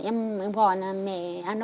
em gọi là mẹ